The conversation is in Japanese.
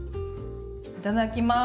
いただきます。